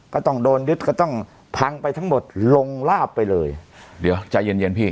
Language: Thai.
ก็ต้องโดนยึดก็ต้องพังไปทั้งหมดลงลาบไปเลยเดี๋ยวใจเย็นเย็นพี่